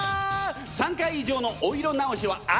３回以上のお色直しは当たり前！